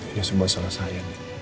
ini semua selesai